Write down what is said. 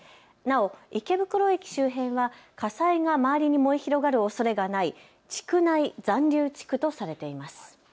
なお池袋駅周辺は火災が周りに燃え広がるおそれがない地区内残留地区とされています。